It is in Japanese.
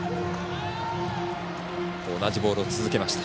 同じボールを続けました。